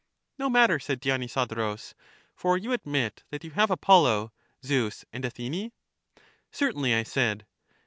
No matter, said Dionysodorus, for you admit that you have Apollo, Zeus, and Athene. Certainly, I said.